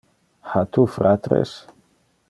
Ha tu fratres?